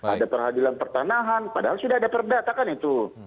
ada peradilan pertanahan padahal sudah ada perdata kan itu